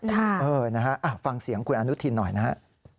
เออนะฮะฟังเสียงคุณอนุทินหน่อยนะฮะ